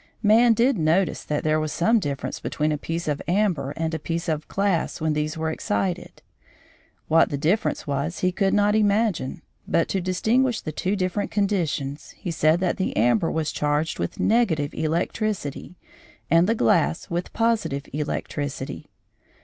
Man did notice that there was some difference between a piece of amber and a piece of glass when these were excited. What the difference was he could not imagine, but to distinguish the two different conditions he said that the amber was charged with negative electricity and the glass with positive electricity.